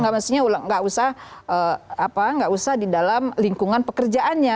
maksudnya nggak usah di dalam lingkungan pekerjaannya